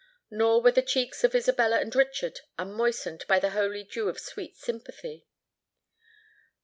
Nor were the cheeks of Isabella and Richard unmoistened by the holy dew of sweet sympathy.